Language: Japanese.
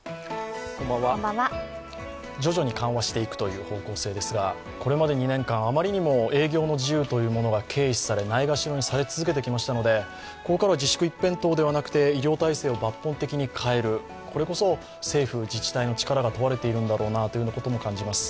徐々に緩和していくという方向性ですが、これまで２年間あまりに営業の自由が軽視され、ないがしろにされ続けてきましたのでここからは自粛一辺倒ではなくて医療体制を変える、これこそ政府・自治体の力が問われているんだなとも感じます。